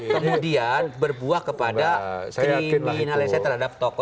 kemudian berbuah kepada kriminalisasi terhadap tokoh